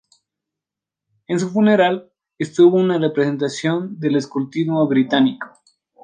En su funeral estuvo una representación del Escultismo Británico.